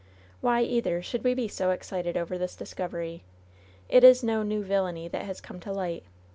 Why, either, should we be so excited over this discovery? It is no new villainy that has come to light.